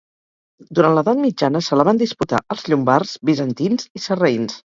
Durant l'edat mitjana se la van disputar els llombards, bizantins i sarraïns.